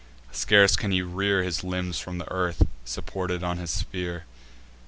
Scarce can he rear His limbs from earth, supported on his spear.